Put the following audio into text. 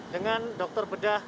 dengan dokter bedah